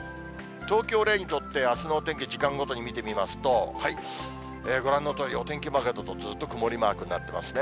東京を例にとって、あすのお天気、時間ごとに見てみますと、ご覧のとおり、お天気マークはずっと曇りマークになってますね。